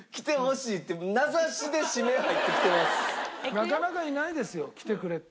なかなかいないですよ来てくれって。